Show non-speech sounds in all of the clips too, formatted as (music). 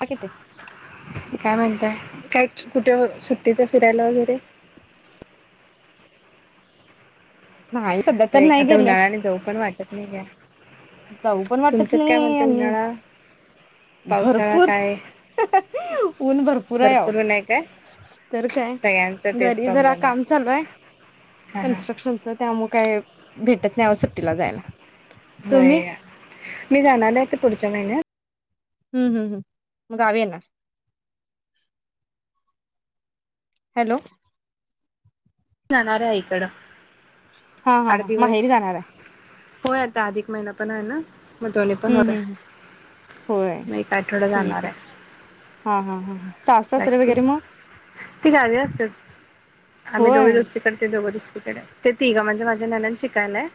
हाय की ते काय म्हणताय काय कुठे सुट्टीच फिरायला वगैरे (unintelligible) नाही सध्या तर होय. नाही आता गेले उन्हाळ्याने जाऊ पण वाटत नाइये. जाऊ पण वाटत नाही आणि पावसाळा भरपूर काय ऊन भरपूर आहे आवो, तर काय सगळ्यांचा तेच घरी जरा प्रॉब्लेम काम चालू आहे हा हा कन्स्ट्रक्शनच त्यामुळ काय भेटत नाय आहो सुट्टीला जायला. तुम्ही होय. मी जाणार नाय तर पुढच्या महिन्यात हुं हुं हुं म गावी येणार हॅलो जाणाराय आईकड हा हा आठ हा दिवस, माहेरी जाणार आहे होय आता अधिक महिना- पण आण म दोन्ही पण हम्म होतय. हम्म हम्म. होय. ठीकये हा हा हुं हुं बाकी, ती गावी असत्यात. आम्ही दोघ होय दुसरीकड ते दोघ दुसरी कड. ते तिघ म्हणजे माझी नणंद शिकायलाय-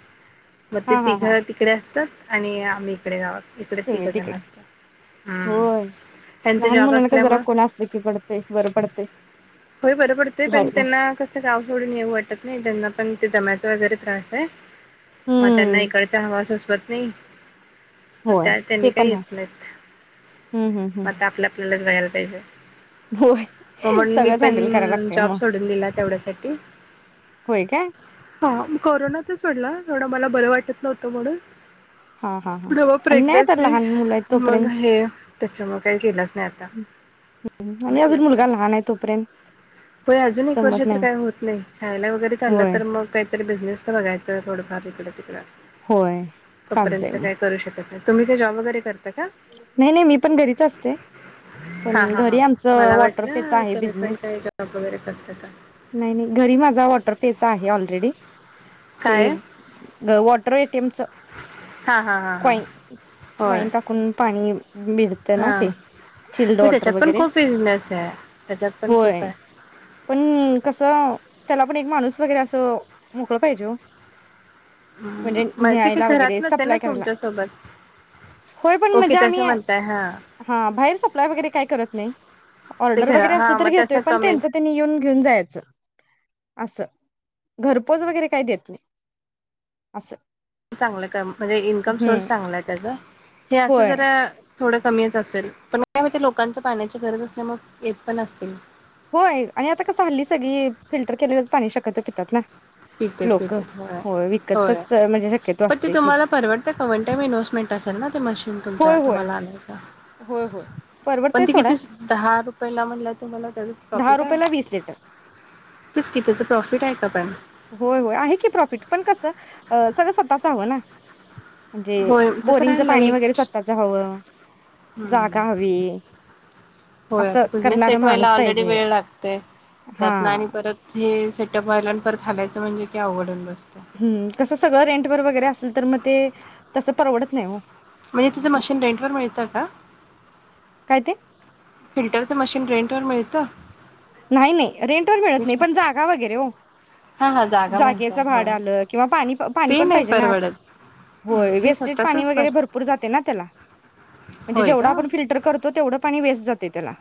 मग ते हा हा तिघ हा तिकडे असतात- आणि आम्ही इकडे गावा इकडं तुम्ही तीघजण तिकडे असतो. हुं होय ह्यांचा लहान जॉब मुलांना का जरा असल्यामुळ कोण असलं की पडते बरं पडते होय. बरं पडतय पण घ्यायला त्यांना कसं गाव सोडून येऊ वाटत नाय, त्यांना पण ते दम्याचा वगैरे त्रास आहे मग त्यांना हम्म इकडचा हवा सोसवत नाही मग होय त्या त्यांनी ते काही पण आहे येत नाहीत. हं, हं, मग हं. आता आपल्या आपल्यालाच बगायला पाहिजे होय. म्हणून मी सगळंच हँडल करायला पण लागतंय जॉब मग. सोडून दिला तेवढ्यासाठ होय काय? ह कोरोनातच सोडला एवढं मला बरं वाटत नव्हतं म्हणून हां, हां, हां. पुन्हा मग आणि नाही आता प्रेग्नंसी, लहान मुलं आहेत मग तोपर्यंत हे त्याच्यामुळ काय केलंच नाही आता हं, हं. आणि म्हंटल अजून आता, मुलगा लहान आहे तोपर्यंत होय अजून एक वर्ष जमत तर नाही. काय होत नाही. शाळेला वगैरे चालला होय, तर मग काहीतरी बिझनेसच बघायं थोडफार इकडे तिकडं होय चालतंय तोपर्यंत म काय करू शकत नाही तुम्ही काय जॉब वगैर कर नाही, नाही मी पण घरीच असते हा पण हा हा घरी आमच मला वॉटरपेच वाटलं आहे तुम्ही पण बिझनेस. काही जॉब वगैरे करता का नाही नाही घरी माझा वॉटरपेचा आहे ऑलरे डी काय ते वॉटर एटीएम च हा हा हा हा होय काॅइन टाकून पाणी मिळत ना हा नाही चिल्ड वॉटर त्याच्यात पण वगैरे खूप बिझनेस आहे त्याच्यात पण खूप होय आहे पण कस त्याला पण एक माणूस वगैरे अस मोकळ पाहिजे ओ हम् म्हणजे म्हण ते न्यायला काही वगैरे घरातनच आहे ना सप्लाय करायला तुमच्यासोबत होय पण ओके म्हणजे आम्ही तसं म्हणताय हा हा बाहेर सप्लाय वगैरे काय करत नाही ते ऑर्डर घरा वगैरे असली हा तर मग तसं घेतोय पण कमीच त्यांच त्यांनी घेऊन जायच अस घरपोच वगरे काही देत नाही अस चांगलं काम म्हणजे इन्कम सोर्स चांगला आहे त्याजा हे असं होय जरा थोडं कमीच असेल पण लोकांच पाण्याची गरज असल्या मग येत पण असतील होय आणि आता कसं हल्ली सगळी फिल्टर केलेलंच पाणी शकतो पितात ना पित्यात लोक पित्यात हो होय होय विकतचच म्हणजे शक्यतो पण ते असते की तुम्हाला परवडते का वन टाइम इन्व्स्टमेंट असत (inaudible) मशीन तुमच्या होय होय तुम्हाला आणायच होय होय परवडतय पण ते सोडा किती दहा रुपयेला म्हणजे तुम्हाला त्याच दहा प्रॉफिट आहे रुपयाला वीस लिटर तेच कितीच प्रॉफिट आहे? (unintelligible) होय, होय आहे की प्रॉफिट पण कसं सगळं स्वतःच हवं ना म्हणजे होय ते तर बोरिंगचं पाणी वगैरे लाईट स्वतःच हवं, जागा हवी. असं आता बिझनेस करणारा सेट माणूस व्हायला ऑलरेडी पाहिजे. वेळ लागतय हा त्यात आणि परत ही सेटअप व्हायला आणि ते परत हालायच म्हणजे की अवडून बस हम्म कसं सगळं रेंट वर वगैरे असेल तर मग ते तसं परवडत नाही हो. म्हणजे तिचं मशीन रेंटवर मिळतं का? काय ते? फिल्टरचं मशीन रेंट वर मिळते. त्त (inaudible) नाही नाही रेंट वर मिळत नाही पण जागा वगैरे हो हा हा जागा जागेच म्हणताय भाड होय. आलं किंवा पाणी पाणी ते पण नाही पाहिजे ना परवडत होय हे वेस्टेज पाणी स्वतःचच पर वगैरे भरपूर जाते ना त्याला म्हणजे होय जेवढं का? आपण फिल्टर करतो तेवढ पाणी वेस्ट जाते त्याला.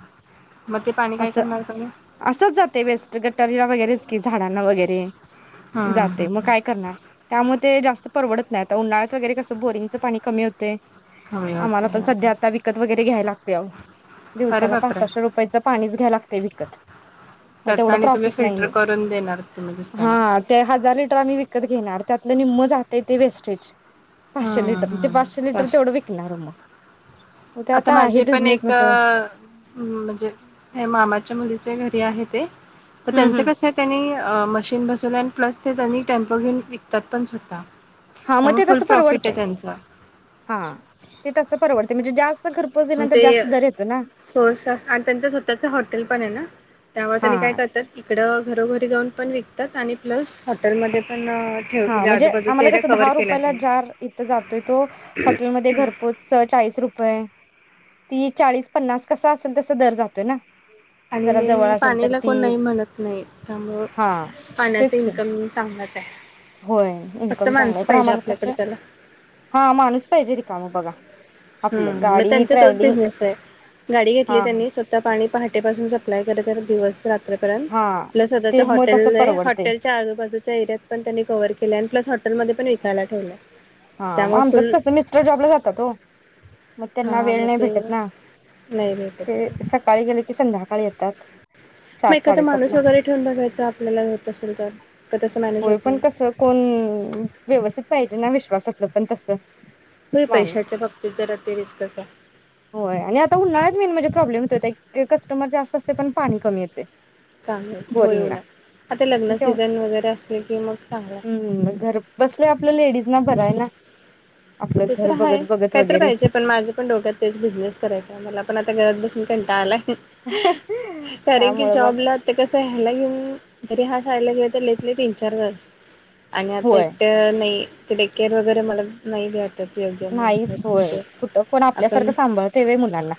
मग ते पाणी काय असं करणार तुम्ही? असंच जाते वेस्ट गटारीला वगैरेच की झाडांना वगैरे. हम्म जाते हम्म मग हम्म. काय करणार त्यामध्ये ते जास्त परवडत नाही आता उन्हाळ्यात वगैरे कसं बोरिंगचं पाणी कमी होते. कमी आम्हाला होते पण हा. सध्या आता विकत वगैरे घ्यायला लागते अरे दिवसाला बापरे! पासाशे रुपयाचं पाणीच घ्याव लागत. ते (inaudible) मग त्यात तेवढ आणि तुम्ही प्रॉफिट नाही फिल्टर येत करून देणार तुम्ही दुसऱ्यांना. हा ते हाजार लिटर आम्ही विकत घेणार त्यातल निम्म जातय ते वेस्टेज. पाचशे हम्म लिटर ते हम्म पाचशे लिटर तस- तेवढं विकनार म आता माझे पण एक म्हणजे मामा मुलीचे घरी आहे ते तर हम् त्यांच हम कस आहे त्यांनी मशीन बसवल्यान प्लस ते त्यांनी टेम्पो घेऊन विकतात पण स्वतः. हा मग त्यामुळे ते फुल तसं प्रॉफिट आहे परवडतय त्यांचा हा ते तस परवडत म्हणजे जास्त खरपोच म दिल्यानंतर ते जास्त दर येतो ना सोर्स आणि त्यांच स्वतःच हॉटेल पण आहे ना. त्यामुळे हा त्यांनी काय करतात इकडं घरोघरी जाऊन पण विकतात. आणि प्लस हॉटेलमध्ये पण ठेव हा म्हणजे आजूबाजूचा आम्हाला एरिया कस कव्हर दहा केला रुपयाला त्यांनी जार इथं जातोय तो हॉटेलमध्ये घरपोच चाळीस रुप तीस चाळीस पन्नास कस असेल तस दर जातोय ना. आणि जरा जवळ मेन असेल तर पाणीला ती कोण नाही म्हणत नाही त्यामुळ हा पाण्याच तेच की इन्कम चांगलाच आहे. होय फक्त इन्कम चांगला आहे माणसं पण. पाहिजे आम्हाला आपल्याकडे कसं त्याला हा माणूस पाहिजे रिकामग बघा. आपलं हम म गाडी त्यांचा तोच ट्रॅव्हलिंग बिझनेस आहे गाडी हा घेतली हा त्यांनी स्वतः पाणी प बसून सप्लाय करायचा दिवस रात्र. हा प स्वतःच्या ते मग तसं हॉटेल परवडते हॉटेलच्या आजूबाजूच्या एरियात पण त्यांनी कवर केल्या आणि प्लस हॉटेलमध्ये पण विकायला ठेवलं. हा त्यामुळे आमंच्यात फुल कस मिस्टर जॉबला जातात ओ. मग त्यांना हा वेळ मग नाही ते भेटत ना. नाही भेटत ते नाही. सकाळी गेले ते संध्याकाळी येतात. मग सात एखादा साडेसात माणूस ला वगैरे ठेवून बघायचा आपल्याला होत असेल तर. का तसं मॅनेज होय होत पण नाही. कस कोण व्यवस्थित पाहिजे ना विश्वासात जमल तसं होय माणस पैशाच्या बाबतीत जरा ते रिस्कच आहे होय आणि आता उन्हाळ्यात मेन म्हणजे प्रॉब्लेम ते कस्टमर जास्त असतय पण पाणी कमी येतय. काम होयवना आता मग लग्न ते सीझन वगैरे असले की मग चांगला हम्म घर बसल्या आपल्या लेडीज ना खर आहे ना. आपलं ते घर तर हय बघत बघत काहीतरी वगैरे पाहिजे पण माझ पण डोक्यात तेच बिझनेस करायचय मला पण आता घरात बसून कंटाळा आलाय. कारण की त्यामुळे मग जॉबला ते कस ह्याला घेऊन तरी हा शाळेला गेला तरी लईत लई तीन चार तास आणि आता होय एकट नाही. ति डेकेर वगैरे मला नाही भे यो नाहीच ठीक होय आहे कुठं कोण आपण आपल्यासारखं सांभाळते वे मुलांना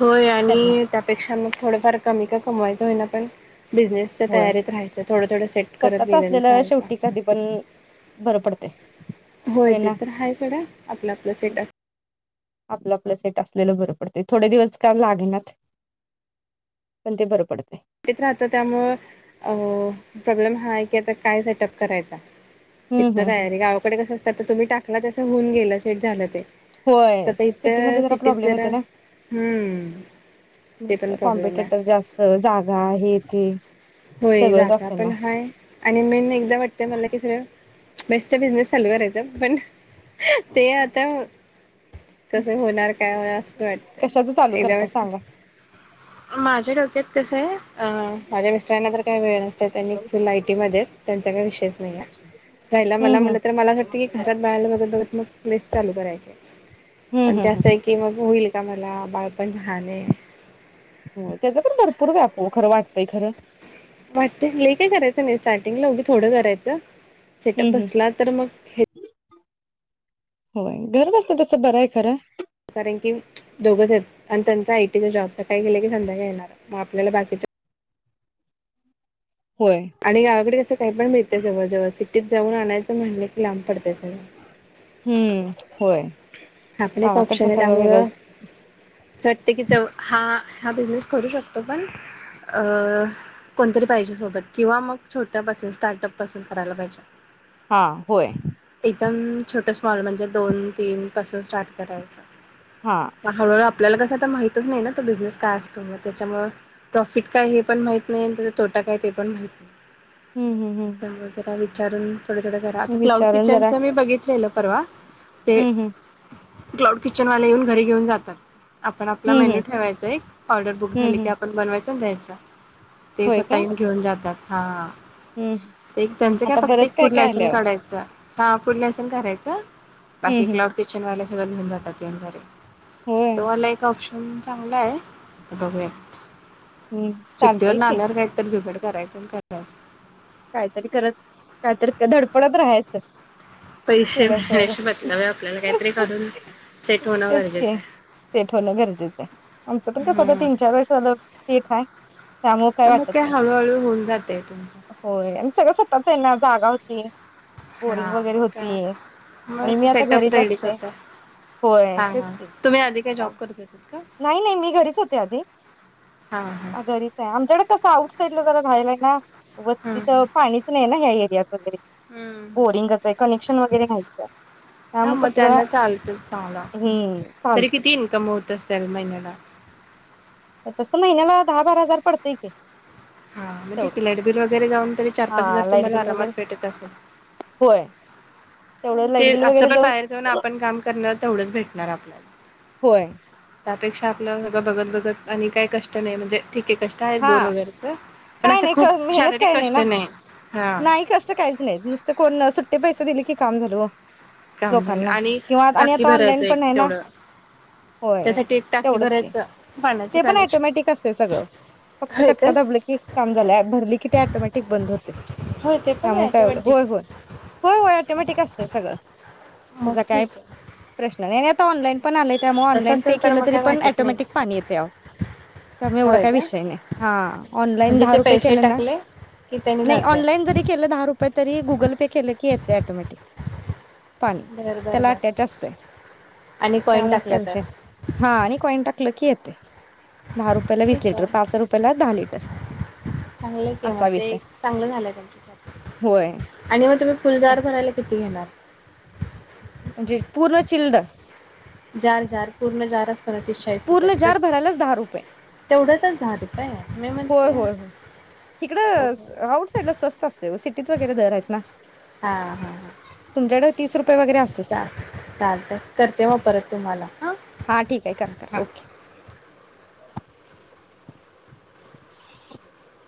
होय आणि त्यांना त्यापेक्षा मग थोडंफार कमी का कमवायचं होईना पण बिजनेसच्या होय तयारीत राहायचं थोडं थोडं सेट करत स्वतःच गेलं असलेलं चालतं. शेवटी कधी पण बरं पडते होय ते तर हाय सोडा आपलं आपलं सेट अस आपलं आपलं सेट असलेलं बरं पडतय थोडे दिवस काम लागेना पण ते बरं पडतय. घेत राहत त्यामुळ प्रॉब्लेम हा आहे की आता काय सेटअप करायचा? हं, एकदा हं, हं. तयारी गावाकडे कसं असतात तर तुम्ही टाकनार असं होऊन गेलं सेट झालं ते होय तसं आता इथं सिटीमध्ये जरा सिटीत प्रॉब्लेम येतोय ना हम्म ते पण म्हणजे प्रॉब्लेम आहे. कॉम्बिटेटर जास्त जागा हा हे तेे होय जागा पण हाय आणि मेन एकदा वाटतं मला कि सगळं बेस्ट बिझनेस चालू करायचा पण ते आता कस होणार काय होणार असं पण कशाचं वाटत चालू एकदा करता वाट सांगा? माझ्या डोक्यात कस हाय माझ्या मिस्टरांना तर काही वेळ नसतोय. त्यांनी आयटी मध्ये त्यांचा काही विषयच नाही आहे. रायला हं, मला हं. म्हटलं तर मला अस वाटतं की घरात बाळाला बघत बघत मग चालू करायच. हं, पण हं, ते अस हं. आहे की मग होईल. का मला बाळ पण लहान आहे. हो त्याच पण भरपूर व्याप हो खरं वाटतंय खरं वाटतय लय काय करायचं नाही स्टार्टिंगला उभी थोडं करायचं सेटअप हं, हं. बसला तर मग हे होय घर बसलं तस बरं आहे खरं कारण की दोघंच आहेत आणि त्यांचा आयटीचा जॉब सकाळी गेले की संध्याकाळी येणार मग आपल्याला बाकीच्या होय. आणि गावाकडे कसं काही पण मिळतय जवळ जवळ असं इथं जाऊन आणायंच म्हटलं की लांब पडतं. हम्म हा आपले ऑप्शन आहे त्यामुळं वेगळंच. असं वाटतय की ज हा हा बिझनेस करू शकतो पण अ कोणतरी पाहिजे सोबत किंवा मग छोट्यापासून स्टार्टअप पासून करायला पाहिजे. हा होय एकदम छोटं स्मॉल म्हणजे दोन तीनपासून स्टार्ट करायच. हा. पहाारर (inaudible) आपल्याला कसं तर माहितच नाही ना तो बिझनेस काय असतो मग त्याच्यामुळे प्रॉफिट काय हे पण माहित नाही आणि त्याचा तोटा काय ते पण माहित नाही. हं, हं, हं. चांग त्यारा (inaudible) विचारुन थोड थोड आता क्लाउड विचारून किचनचं मी बघितलेल परवा, ते हम्म हम्म क्लाउड किचन वाले येऊन घरी घेऊन जातात. आपण आपला हं, मेन्यू हं. ठेवायचा एक ऑर्डर बुक हं, झाली की हं. आपण बनवायच. जावू द्यायचा ते होय काय? स्वतःही घेऊन जातात. हां! हं. एक त्यांचं काय आता फक्त बरंच एक काय फूड काय आलंय लायसन्स अहो. काढायचं. हा फुड लायसन्स काढायच. हं, बाकी हं. क्लाऊड किचन वाले परत घेऊन जातात घरी होय. तो मला एक ऑप्श चांगलं आहे बघू यात. हं. चछट्टीवर चालतंय की. नाना्यावर कायतरी झुपेड (inaudible) करायचं करायचं काहीतरी करत काहीतरी धडपडत राहायचं पैसे केल्याशिवाय मिळण्याचे मतलब आहे आपल्याला काहीतरी करून सेट होणं तेच की गरजेचं आहे सेट होणं गरजेचं आहे आमचं पण कसं आता हम् तीन चार वर्ष झालं सेट आहे त्यामुळे मग वाटत काय नाही हळूहळू होऊन जातय तुमच. होय आणि सगळं स्वतःच आहे ना जागा होती. बोरिंग हा वगैरे मग काय होती आणि मग मी आता सेटअप घरीच रेडीच असते होता होय हा तेच हा की तुम्ही आधी काय जॉब करत होतात का नाही नाही मी घरीच होते आधी हा हा घरीच आहे आमच्याकडे कस आउट साईड ला जरा राहायल ह व (inaudible) हम्म हम्म तिथं पाणीच नाही ना या्या एरियात वगैरे हम्म हम्म हम्म बोरिंगच आहे कनेक्शन वगैरे घ्यायचं आहे हा मग कस त्यांना चालतच चांगला हम्म चालत. दर महिन्याला तस महिन्याला दहा बारा हजार पडतंय की. हा मग तेवढं लाईट बिल वगैरे जाऊन तरी चार पाच हा हजार लाईट तुम्हाला बिल आरामात वगैरे भेटत असेल. होय तेवढं लाईट ते बिल वगैरे असं पण जाऊन बाहेर जाऊ ना आपण काम करण तेवढंच भेटणार आपल्याला. होय. त्यापेक्षा आपलं सगं बघत बघत आणि काही कष्ट नाही म्हणजे ठीक आहे कष्ट आहेत बोर हां, वगैरेच पण काय असं नाही खूप क मेहनत शारीरिक काही नाही कष्ट ना हा नाही कष्ट काहीच नाही नुसत कोण सुट ते पैसे दिले की काम झालं वो. काम झालं, आणि टाकी आता भरायचं ऑनलाईन एक पण आहे ना तेवढं होय त्यासाठी एक टाकी तेवढंच की भरायचं. पाण्याचं ते पण कनेक्शन ऍटोमॅटिक असतय सगळं, फक्त होय कटका काय दाबलं की काम झालं भरलं की त्या टोमॅटिक बंद होत् होय ते पण कामं आहे काय एवडं ऑटोमॅटिक होय-होय, होय-होय ऍटोमॅटिक असतंय सगळं मग तेजा काय ठीक आहे प्रश्न नाही आणि आत् त ऑनलाईन पण आलंय त्यामुळे तसं ऑनलाईन पे असेल तर केलं मग तरी काय पण वाटत नाही. ऑटोमॅटिक पाणी येतं. त्यामुळे एवढा होय काय का विषय नई, हां ऑनलाईन म्हणजे दहा ते रुपये पैसे केले ना टाकले की त्यांनी नाही जाते. ऑनलाईन जरी केलं दहा रुपये तरी गुगल पे केले की येतंय ऍटोमॅटिक. पाणी, बर त्या बर बर. लाट्यात असतंय आणि कॉईन त्यामु टाकलं काय विषय तर नइ हां आणि कॉईंन टाकलं की येत ठीक आय, पाच रुपयाला दहा लिटर चांगलं केव्हा असा ते विषय चांगलं झालंय तुमच्यासाठी, होय आणि म तुम्ही फुलदार भरायला किती घेणार? म्हणजे पूर्ण चिल्ड जार-जार पूर्ण जार असतो न तीस चाळीस पूर्ण रुपयाचं जार कट तेवढंचंच दहा रुप होय-होय-होय, इकडं हो. हाउट साईडला स्वस्त असतंय ओ सिटीत वगैरे दर आहेत ना. हा हा हा तुमच्याकड तीस रुप चा चालतं करते मग परत. तुम्हाला हा. हां ठीक आहे कर कर, हा. ओके. (unintelligible)